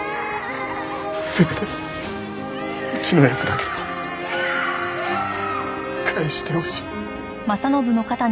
せめてうちの奴だけでも返してほしい。